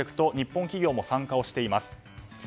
日本企業も参加をしています。